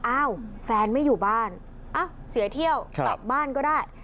อ้าวแฟนไม่อยู่บ้านเอ้าเสียเที่ยวกลับบ้านก็ได้